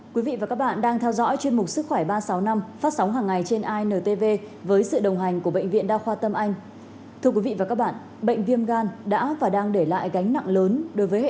các bạn hãy đăng ký kênh để ủng hộ kênh của chúng mình nhé